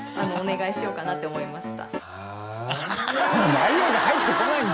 内容が入ってこないんだよ。